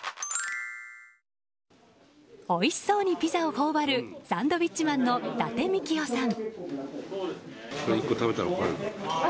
おいしそうにピザを頬張るサンドウィッチマンの伊達みきおさん。